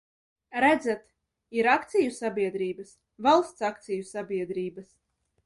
Redzat, ir akciju sabiedrības, valsts akciju sabiedrības.